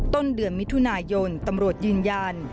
ต้นเดือนมิถุนายนตำรวจยืนยัน